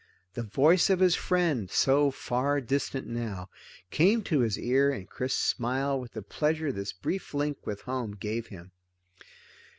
The voice of his friend so far distant now! came to his ear and Chris smiled with the pleasure this brief link with home gave him.